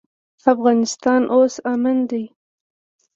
افغانستان اوس امن دی.